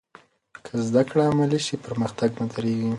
که زده کړه عملي شي، پرمختګ نه درېږي.